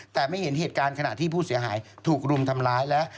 แต่ไม่เห็นเหตุการณ์ขณะที่ผู้เสียหายถูกรุมทำร้ายและ